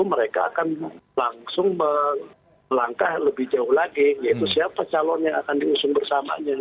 mereka akan langsung melangkah lebih jauh lagi yaitu siapa calon yang akan diusung bersamanya